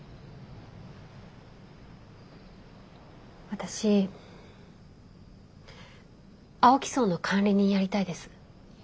私青木荘の管理人やりたいです。